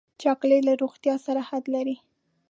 چاکلېټ له روغتیا سره حد لري.